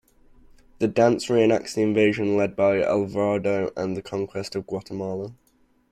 The dance reenacts the invasion led by Alvarado and the conquest of Guatemala.